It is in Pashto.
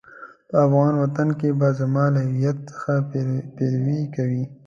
په افغان وطن کې به زما له هويت څخه پيروي کوئ.